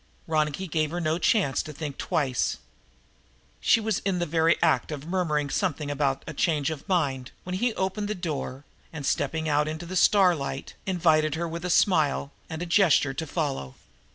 Ronicky gave her no chance to think twice. She was in the very act of murmuring something about a change of mind, when he opened the door and, stepping out into the starlight, invited her with a smile and a gesture to follow.